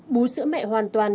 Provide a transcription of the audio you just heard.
bú sữa mẹ hoàn toàn